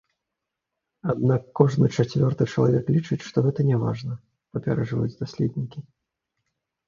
Аднак кожны чацвёрты чалавек лічыць, што гэта няважна, папярэджваюць даследнікі.